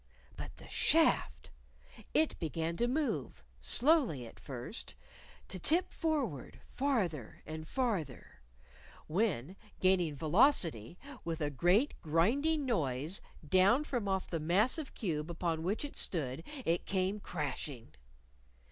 But the shaft! It began to move slowly at first to tip forward, farther and farther. When, gaining velocity, with a great grinding noise, down from off the massive cube upon which it stood it came crashing!